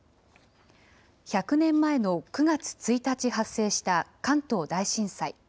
１００年前の９月１日発生した関東大震災。